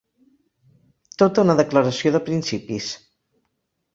Tota una declaració de principis.